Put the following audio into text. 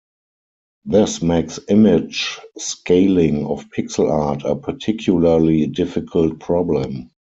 This makes image scaling of pixel art a particularly difficult problem.